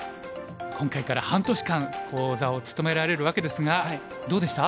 今回から半年間講座を務められるわけですがどうでした？